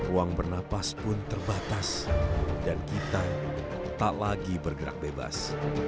ruang bernapas pun terbatas dan kita tak lagi bergerak bebas